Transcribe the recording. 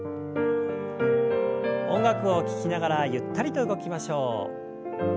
音楽を聞きながらゆったりと動きましょう。